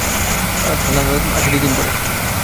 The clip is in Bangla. থানাঅলারা আসে দুই দিন পরে।